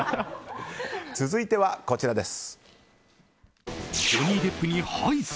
続いてはこちらです。